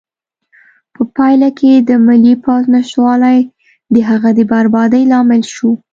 په پایله کې د ملي پوځ نشتوالی د هغه د بربادۍ لامل شو.